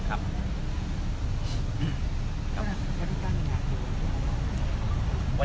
ไม่ใช่นี่คือบ้านของคนที่เคยดื่มอยู่หรือเปล่า